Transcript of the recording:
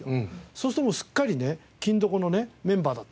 そうするともうすっかりね『欽どこ』のメンバーだったんですよ。